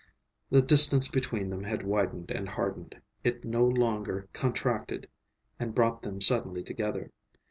The distance between them had widened and hardened. It no longer contracted and brought them suddenly together.